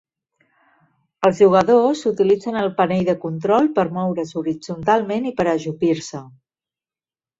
Els jugadors utilitzen el panell de control per moure's horitzontalment i per ajupir-se.